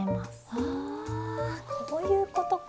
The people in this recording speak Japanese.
はあこういうことか！